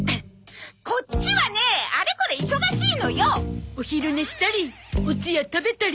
こっちはねあれこれ忙しいのよ！お昼寝したりおつや食べたり。